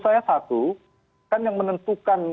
saya satu kan yang menentukan